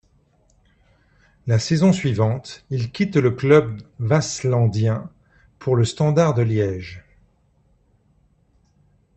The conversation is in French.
La saison suivante, il quitte le club waaslandien pour le Standard de Liège.